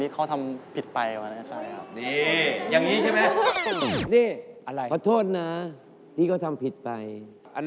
เราว่าเพื่อโข้โทษถึงเสียงการทำไปผิด